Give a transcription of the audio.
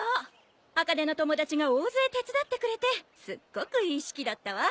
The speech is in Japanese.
茜の友達が大勢手伝ってくれてすっごくいい式だったわ。